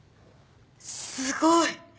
すごい！